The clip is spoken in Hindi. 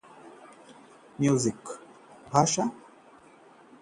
पीकू के इस म्यूजिशियन को कनाडा जाकर समझ आई थी अपनी भाषा की अहमियत